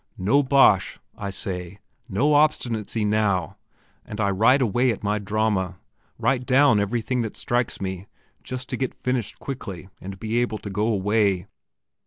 No bosh! I say no obstinacy, now! and I write away at my drama write down everything that strikes me, just to get finished quickly and be able to go away.